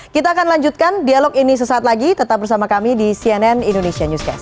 kita akan lanjutkan dialog ini sesaat lagi tetap bersama kami di cnn indonesia newscast